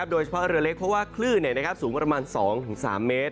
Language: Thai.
โดยเฉพาะเรือเล็กเพราะว่าคลื่นสูงประมาณ๒๓เมตร